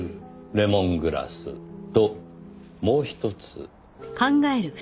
レモングラスともう１つ。